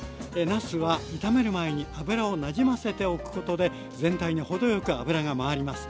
なすは炒める前に油をなじませておくことで全体に程よく油が回ります。